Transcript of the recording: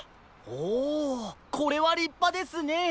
おこれはりっぱですね。